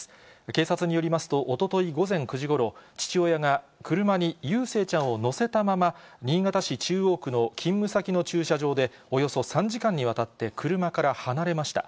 警察によりますと、おととい午前９時ごろ、父親が車にゆうせいちゃんを乗せたまま、新潟市中央区の勤務先の駐車場で、およそ３時間にわたって車から離れました。